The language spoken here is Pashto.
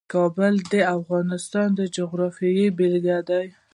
کابل د افغانستان د جغرافیې بېلګه ده.